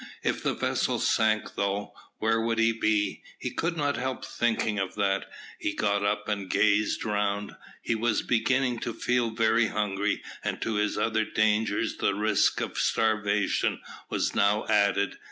If the vessel sank though, where would he be? He could not help thinking of that. He got up and gazed around. He was beginning to feel very hungry, and to his other dangers the risk of starvation was now added.